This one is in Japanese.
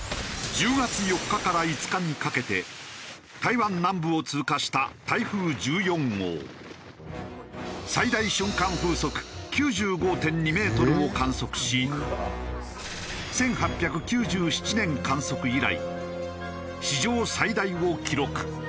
１０月４日から５日にかけて最大瞬間風速９５．２メートルを観測し１８９７年観測以来史上最大を記録。